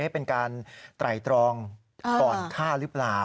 เป็นการไตรตรองก่อนฆ่าหรือเปล่า